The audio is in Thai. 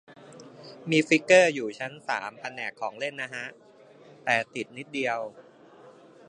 มีฟิกเกอร์อยู่ชั้นสามแผนกของเล่นนะฮะ แต่นิดเดียว